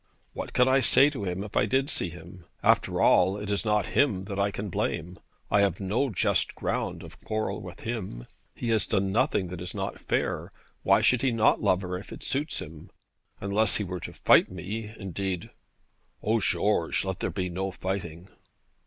'What could I say to him, if I did see him? After all, it is not him that I can blame. I have no just ground of quarrel with him. He has done nothing that is not fair. Why should he not love her if it suits him? Unless he were to fight me, indeed ' 'O, George! let there be no fighting.'